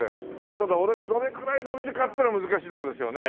ただ俺がどれくらい伸びるかっていうのは難しいとこですよね。